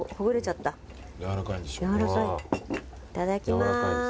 いただきまーす。